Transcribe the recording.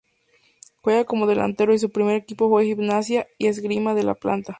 Juega como delantero y su primer equipo fue Gimnasia y Esgrima de La Plata.